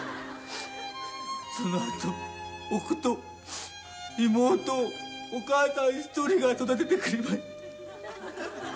その後僕と妹をお母さん１人が育ててくれました。